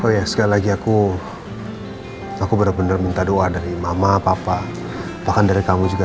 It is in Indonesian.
oh ya sekali lagi aku aku benar benar minta doa dari mama papa bahkan dari kamu juga